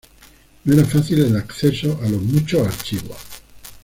No era fácil el acceso a los muchos archivos.